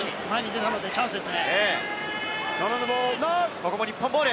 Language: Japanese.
ここも日本ボール。